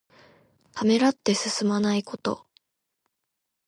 ためらって進まないこと。